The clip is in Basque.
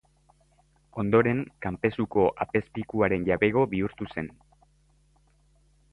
Ondoren Kanpezuko apezpikuaren jabego bihurtu zen.